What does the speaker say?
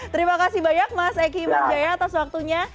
terima kasih banyak mas eky iman jaya atas waktunya